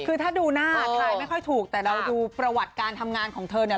คือถ้าดูหน้าถ่ายไม่ค่อยถูกแต่เราดูประวัติการทำงานของเธอเนี่ย